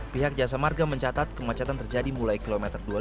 pihak jasa marga mencatat kemacetan terjadi mulai kilometer dua puluh lima